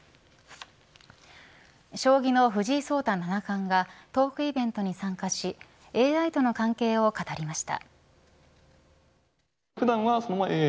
将棋の藤井聡太七冠がトークイベントに参加しＡＩとの関係を語りました。